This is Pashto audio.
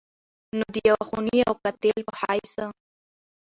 نو د يو خوني او قاتل په حېث